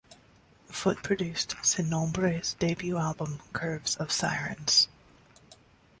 Foot produced Sinombre's debut album Curves of Sirens.